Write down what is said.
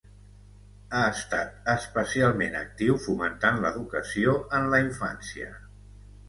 Ha estat especialment actiu fomentant l'educació en la infància.